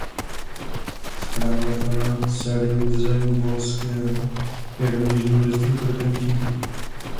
Zpráva pana Saryusze-Wolského je rovněž důležitým krokem tímto směrem.